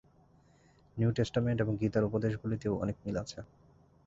New Testament এবং গীতার উপদেশগুলিতেও অনেক মিল আছে।